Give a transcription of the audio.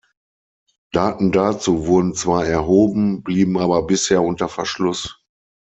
Daten dazu wurden zwar erhoben, blieben aber bisher unter Verschluss.